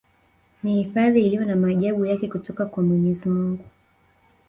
Ni hifadhi iliyo na maajabu yake kutoka kwa mwenyezi Mungu